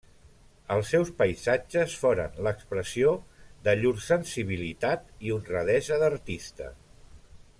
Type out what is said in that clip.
Els seus paisatges foren l'expressió de llur sensibilitat i honradesa d'artista.